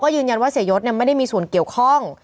ก็ยืนยันว่าเศรษฐเนี่ยไม่ได้มีส่วนเกี่ยวข้อง